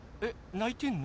ないてんの？